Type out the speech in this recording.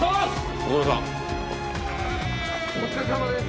お疲れさまです。